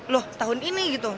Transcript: loh tahun ini gitu